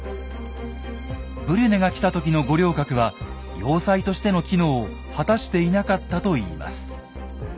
ブリュネが来た時の五稜郭は要塞としての機能を果たしていなかったといいます。